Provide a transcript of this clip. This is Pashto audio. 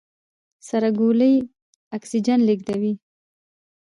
سره ګولۍ اکسیجن لېږدوي.